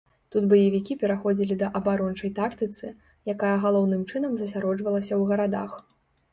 Тут баевікі пераходзілі да абарончай тактыцы, якая галоўным чынам засяроджвалася ў гарадах.